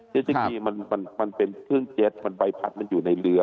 เจสสกีมันเป็นเครื่องเจสใบพัดมันอยู่ในเรือ